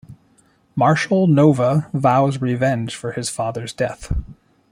Marshall Nova vows revenge for his father's death.